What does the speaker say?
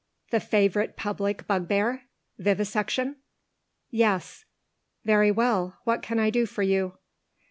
The favourite public bugbear? Vivisection?" "Yes." "Very well. What can I do for you?"